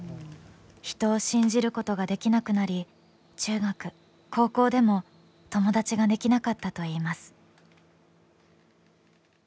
人を信じることができなくなり中学、高校でも友達ができなかったといいます。